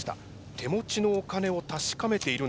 手持ちのお金を確かめているんでしょうか？